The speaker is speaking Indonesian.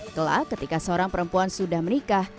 kelak ketika seorang perempuan sudah menikah